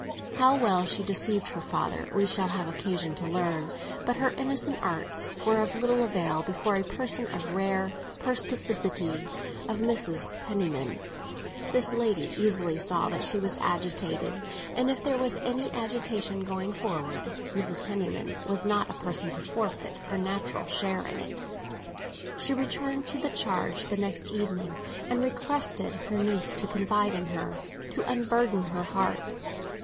How well she deceived her father we shall have occasion to learn; but her innocent arts were of little avail before a person of the rare perspicacity of Mrs. Penniman. This lady easily saw that she was agitated, and if there was any agitation going forward, Mrs. Penniman was not a person to forfeit her natural share in it. She returned to the charge the next evening, and requested her niece to lean upon her—to unburden her heart.